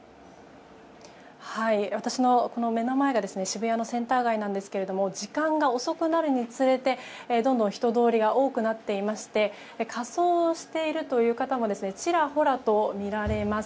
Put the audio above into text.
私の目の前が渋谷のセンター街なんですが時間が遅くなるにつれてどんどん人通りが多くなっていまして仮装をしているという方もちらほらと見られます。